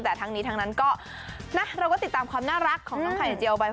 แต่ทั้งนี้ทั้งนั้นก็นะเราก็ติดตามความน่ารักของน้องไข่เจียวไป